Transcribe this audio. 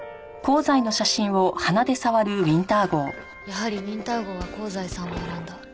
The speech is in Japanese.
やはりウィンター号は香西さんを選んだ。